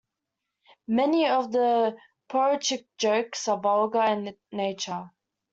Many of the Poruchik jokes are vulgar in nature.